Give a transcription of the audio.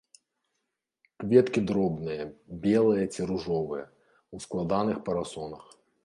Кветкі дробныя, белыя ці ружовыя, у складаных парасонах.